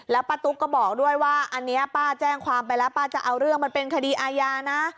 ป้าตุ๊กก็บอกด้วยว่าอันนี้ป้าแจ้งความไปแล้วป้าจะเอาเรื่องมันเป็นคดีอาญานะ